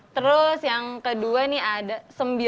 terus yang kedua nih ada sembilan puluh tujuh wibi